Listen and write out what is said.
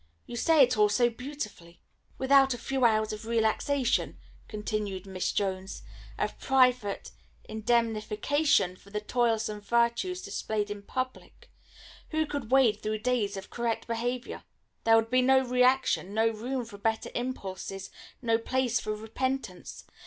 You say it all so beautifully." "Without a few hours of relaxation," continued Miss Jones, "of private indemnification for the toilsome virtues displayed in public, who could wade through days of correct behaviour? There would be no reaction, no room for better impulses, no place for repentance.